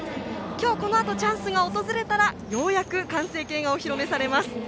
今日このあとチャンスが訪れたらようやく完成形がお披露目されます。